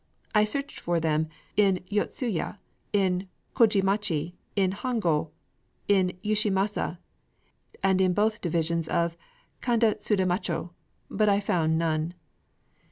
I searched for them in Yotsuya, in Kōjimachi, in Hongō, in Yushimasa, and in both divisions of Kanda Sudamachō; but I found none."